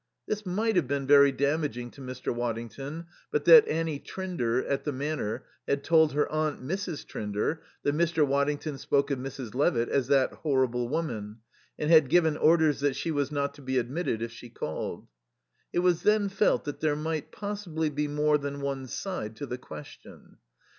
This might have been very damaging to Mr. Waddington but that Annie Trinder, at the Manor, had told her aunt, Mrs. Trinder, that Mr. Waddington spoke of Mrs. Levitt as "that horrible woman," and had given orders that she was not to be admitted if she called. It was then felt that there might possibly be more than one side to the question.